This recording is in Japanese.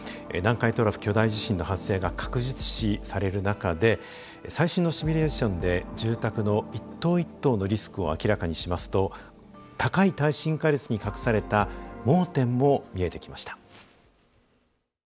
南海トラフ巨大地震の発生が確実視される中で最新のシミュレーションで住宅の一棟一棟のリスクを明らかにしますと高い耐震化率に隠された盲点も見えてきました。